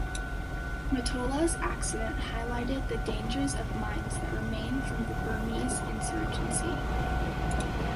Motola's accident highlighted the dangers of mines that remain from the Burmese insurgency.